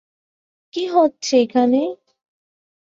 কি হচ্ছে এখানে?